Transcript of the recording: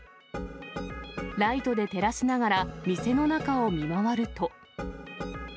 ライトで照らしながら店の中を見回ると。